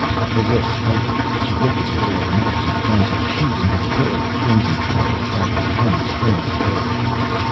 Her lips tightened. She lifted the little automatic and began to shoot into the pillar of crimson fire beside the tiny, spinning globe.